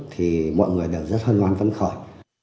thì mọi người đều rất hân hoan vấn khởi